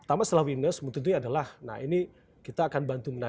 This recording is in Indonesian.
pertama setelah willingness tentunya adalah kita akan bantu